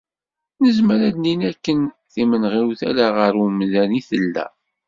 Nezmer ad d-nini d akken timenɣiwt ala ɣer umdan i tella.